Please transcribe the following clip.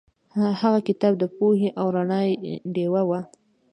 هغه کتاب د پوهې او رڼا ډیوه وه.